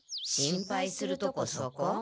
心配するとこそこ？